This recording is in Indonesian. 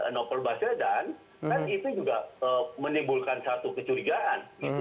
novel basel dan itu juga menimbulkan satu kecurigaan